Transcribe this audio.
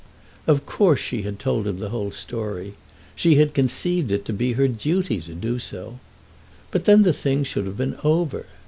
Of course she had told him the whole story. She had conceived it to be her duty to do so. But then the thing should have been over.